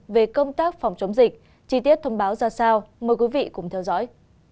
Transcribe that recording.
về công tác phòng chống dịch chi tiết thông báo ra sao mời quý vị cùng theo dõi